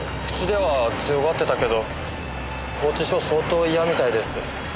口では強がってたけど拘置所相当嫌みたいです。